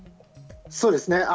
そうですね。